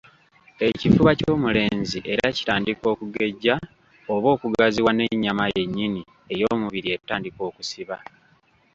Ekifuba ky'omulenzi era kitandika okugejja oba okugaziwa n'ennyama yennyini ey'omubiri etandika okusiba.